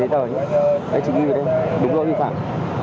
đúng rồi vi phạm